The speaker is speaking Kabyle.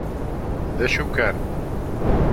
D acu kan.